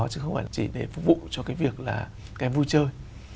chứ không phải chỉ để phục vụ cho cái việc là các em vui chơi